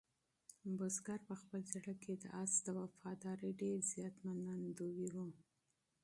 بزګر په خپل زړه کې د آس د وفادارۍ ډېر زیات منندوی و.